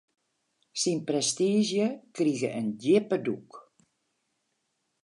Syn prestiizje krige in djippe dûk.